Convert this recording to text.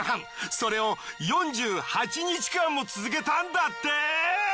それを４８日間も続けたんだって。